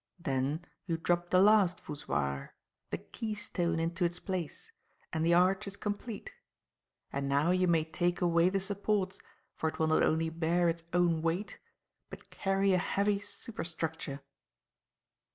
Then you drop the last voussoir the keystone into its place, and the arch is complete; and now you may take away the supports, for it will not only bear its own weight, but carry a heavy superstructure."